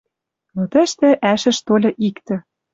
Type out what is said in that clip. Но тӹштӹ ӓшӹш тольы иктӹ: